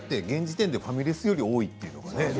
現時点でファミレスより多いってね。